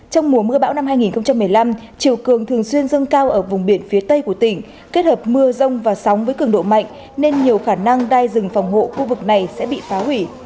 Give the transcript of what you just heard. trong mùa mưa bão năm hai nghìn một mươi năm chiều cường thường xuyên dâng cao ở vùng biển phía tây của tỉnh kết hợp mưa rông và sóng với cường độ mạnh nên nhiều khả năng đai rừng phòng hộ khu vực này sẽ bị phá hủy